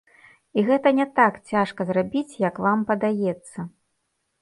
І гэта не так цяжка зрабіць, як вам падаецца.